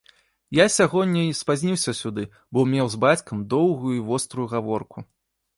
Я сягоння і спазніўся сюды, бо меў з бацькам доўгую і вострую гаворку.